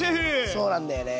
そうなんだよね。